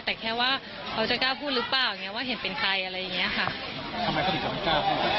แต่แค่ว่าเขาจะกล้าพูดหรือเปล่าว่าเห็นเป็นใครอะไรอย่างนี้ค่ะ